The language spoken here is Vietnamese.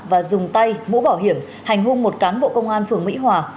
và dùng tay mũ bảo hiểm hành hung một cán bộ công an phường mỹ hòa